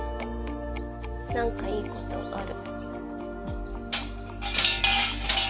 何かいいことある。